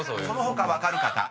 その他分かる方］